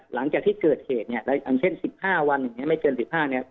หลังจากที่เกิดเหตุเนี่ยอย่างเช่น๑๕วันไม่เกิน๑๕วัน